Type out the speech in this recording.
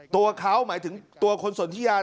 ตัวเขาหมายถึงโดนที่คุณสนทิยา